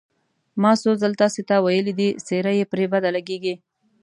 ما څو ځل تاسې ته ویلي دي، څېره یې پرې بده لګېږي.